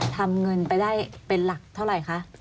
ทำเงินไปได้เป็นหลักเท่าไหร่คะ